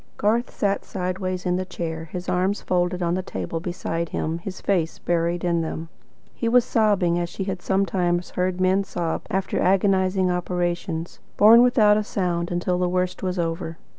Garth sat sideways in the chair, his arms folded on the table beside him, his face buried in them. He was sobbing as she had sometimes heard men sob after agonising operations, borne without a sound until the worst was over.